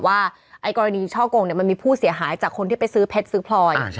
ว่ากรณีช่อกงมันมีผู้เสียหายจากคนที่ไปซื้อเพชรซื้อพลอย